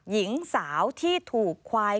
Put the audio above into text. หญิงสาวที่ถูกควาย